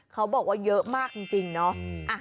เขาบอกว่าเยอะมากจริงเนาะ